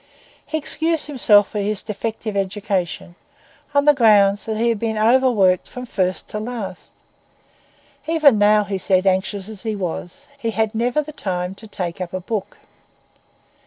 He excused himself for his defective education on the ground that he had been overworked from first to last. Even now, he said, anxious as he was, he had never the time to take up a book.